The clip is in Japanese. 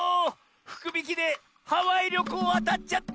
ふくびきでハワイりょこうあたっちゃった！」。